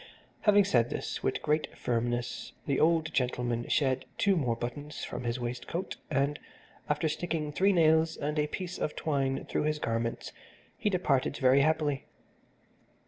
Having said this with great firmness, the old gentleman shed two more buttons from his waistcoat, and, after sticking three nails and a piece of twine through his garments, he departed very happily.